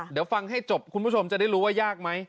เดี๋ยวฟังให้จบคุณผู้ชมจะได้รู้ว่ายากไหม